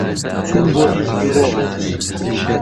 چوون بۆ دیزنی وۆرڵد.